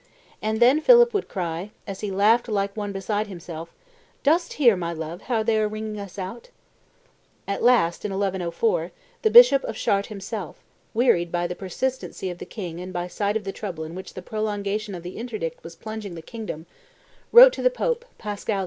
And then Philip would cry, as he laughed like one beside himself, 'Dost hear, my love, how they are ringing us out?'" At last, in 1104, the Bishop of Chartres himself, wearied by the persistency of the king and by sight of the trouble in which the prolongation of the interdict was plunging the kingdom, wrote to the Pope, Pascal II.